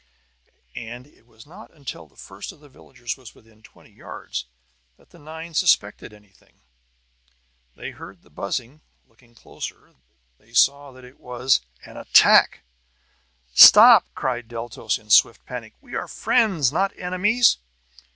And it was not until the first of the villagers was within twenty yards that the nine suspected anything. Then they heard the buzzing. Looking closer, they saw that it was an attack! "Stop!" cried Deltos, in swift panic. "We are friends, not enemies!"